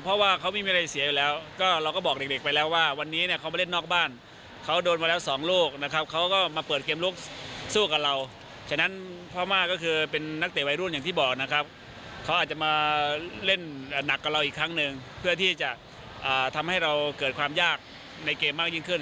เพื่อที่จะทำให้เราเกิดความยากในเกมมากยิ่งขึ้น